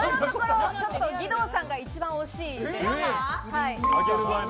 義堂さんが一番惜しいです。